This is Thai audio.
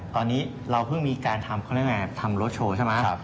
ตอนนี้เราพึ่งมีการทำรถโชว์ใช่ไหม